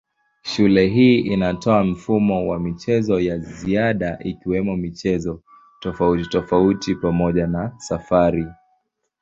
Shule hii inatoa mfumo wa michezo ya ziada ikiwemo michezo tofautitofauti pamoja na safari.